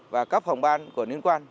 và các phòng ban của liên quan